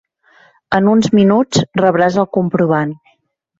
En uns minuts rebràs el comprovant.